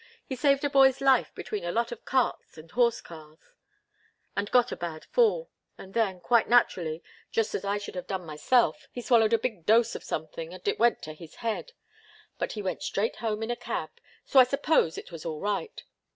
He saved a boy's life between a lot of carts and horse cars, and got a bad fall; and then, quite naturally just as I should have done myself he swallowed a big dose of something, and it went to his head. But he went straight home in a cab, so I suppose it was all right.